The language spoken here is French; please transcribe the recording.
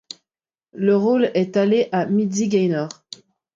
Le rôle est allé à Mitzi Gaynor.